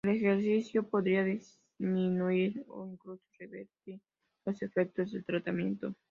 El ejercicio podría disminuir o incluso revertir los efectos del tratamiento.